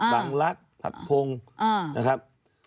บางรักผัดพงฯนะครับ